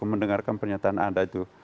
mendengarkan pernyataan anda itu